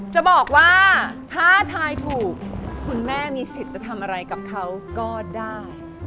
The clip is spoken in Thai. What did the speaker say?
จะบอกว่าถ้าทายถูกคุณแม่มีสิทธิ์จะทำอะไรกับเขาก็ได้